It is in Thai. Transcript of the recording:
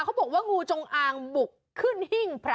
เขาบอกว่างูจงอางบุกขึ้นหิ้งพระ